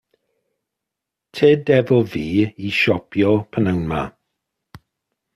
Tyd efo fi i siopio p'nawn 'ma.